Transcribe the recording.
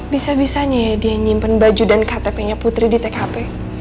bisa bisanya ya dia nyimpen baju dan ktp nya putri di tkp